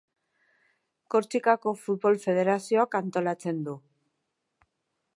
Korsikako Futbol Federazioak antolatzen du.